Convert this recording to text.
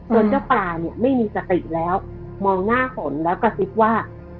เจ้าปลาเนี่ยไม่มีสติแล้วมองหน้าฝนแล้วกระซิบว่า